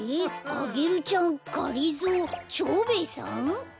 アゲルちゃんがりぞー蝶兵衛さん？